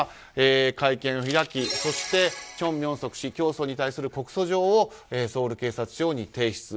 会見を開きそして、チョン・ミョンソク氏教祖に対する告訴状をソウル警察署に提出。